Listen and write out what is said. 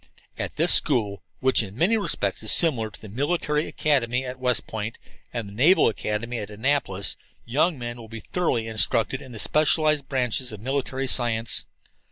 "At this school, which in many respects is similar to the Military Academy at West Point and the Naval Academy at Annapolis, young men will be thoroughly instructed in the specialized branches of military science.